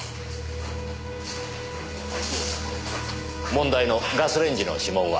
問題のガスレンジの指紋は？